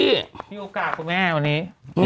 มีโอกาสคุณแม่วันนี้